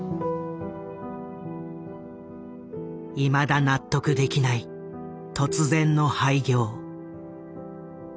いまだ納得できない突然の廃業。